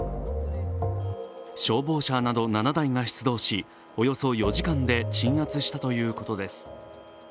消防車など７台が出動しおよそ４時間で鎮圧したということです。